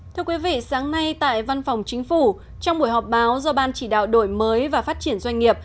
thưa quý vị sáng nay tại văn phòng chính phủ trong buổi họp báo do ban chỉ đạo đổi mới và phát triển doanh nghiệp